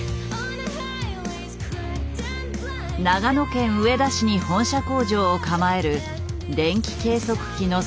長野県上田市に本社工場を構える電気計測器の製造メーカー。